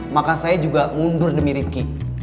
maka saya juga mundur demi rifki